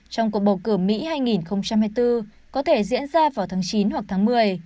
trong cuộc bầu cử mỹ hai nghìn hai mươi bốn có thể diễn ra vào tháng chín hoặc tháng một mươi